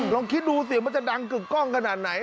ลองคิดดูสิมันจะดังกึกกล้องขนาดไหน